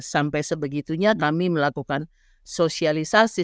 sampai sebegitunya kami melakukan sosialisasi